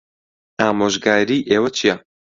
ئامۆژگاریی ئێوە چییە؟